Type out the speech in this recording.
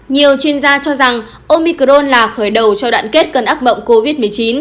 nhiều chuyên gia cho rằng omicron là khởi đầu cho đoạn kết cân ác mộng covid một mươi chín